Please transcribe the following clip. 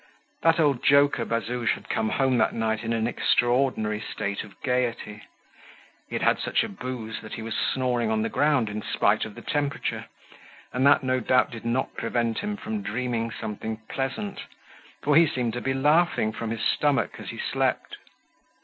That old joker, Bazouge, had come home that night in an extraordinary state of gaiety. He had had such a booze that he was snoring on the ground in spite of the temperature, and that no doubt did not prevent him from dreaming something pleasant, for he seemed to be laughing from his stomach as he slept.